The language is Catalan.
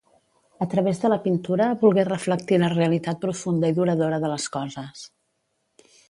A través de la pintura volgué reflectir la realitat profunda i duradora de les coses.